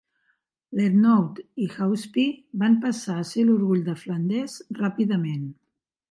Lernout i Hauspie van passar a ser l"orgull de Flanders ràpidament.